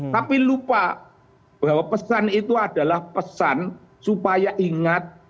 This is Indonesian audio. tapi lupa bahwa pesan itu adalah pesan supaya ingat